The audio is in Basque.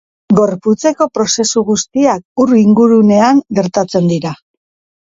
Gorputzeko prozesu guztiak ur ingurunean gertatzen dira.